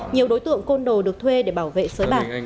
nhiều đối tượng côn đồ được thuê để bảo vệ sới bạc